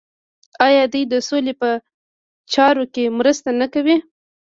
آیا دوی د سولې په چارو کې مرسته نه کوي؟